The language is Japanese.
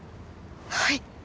はい。